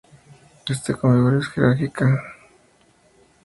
Esta configuración es "jerárquica".